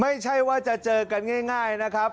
ไม่ใช่ว่าจะเจอกันง่ายนะครับ